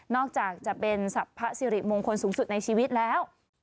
อกจากจะเป็นสรรพสิริมงคลสูงสุดในชีวิตแล้ว